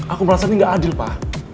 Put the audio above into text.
aku merasa ini gak adil pak